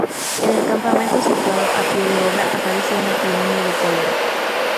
En el campamento situado a pie de obra apareció una epidemia de cólera.